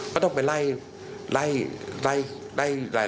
ก็ต้องไปไล่ละเอียด